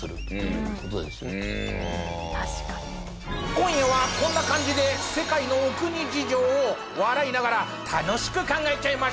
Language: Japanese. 今夜はこんな感じで世界のお国事情を笑いながら楽しく考えちゃいましょう。